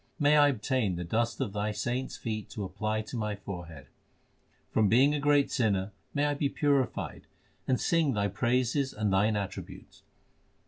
May I obtain the dust of Thy saints feet to apply to my forehead ! From being a great sinner may I be purified and sing Thy praises and Thine attributes